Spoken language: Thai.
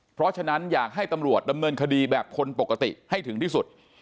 เพราะฉะนั้นอยากให้ตำรวจดำเนินคดีแบบคนปกติให้ถึงที่สุด